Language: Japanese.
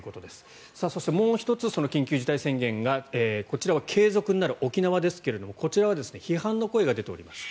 そして、もう１つ緊急事態宣言がこちらは継続になる沖縄ですがこちらは批判の声が出ております。